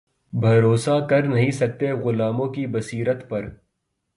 بھروسا کر نہیں سکتے غلاموں کی بصیرت پر